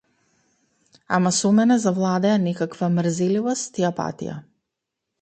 Ама со мене завладеа некаква мрзеливост и апатија.